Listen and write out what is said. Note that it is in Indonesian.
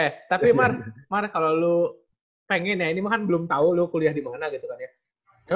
eh tapi mar mar kalo lu pengen ya ini mah kan belum tau lu kuliah dimana gitu kan ya